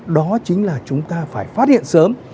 đó chính là chúng ta phải phát hiện sớm